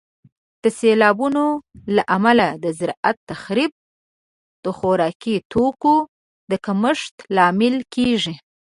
د سیلابونو له امله د زراعت تخریب د خوراکي توکو د کمښت لامل کیږي.